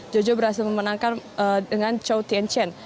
jojo berhasil memenangkan dengan chou tien chen